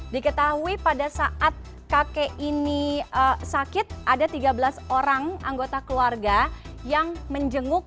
diketahui pada saat kakek ini sakit ada tiga belas orang anggota keluarga yang menjenguk